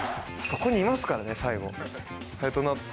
ここにいますからね、最後。